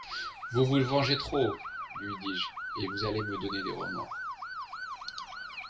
Vous vous vengez trop ! lui dis-je, et vous allez me donner des remords.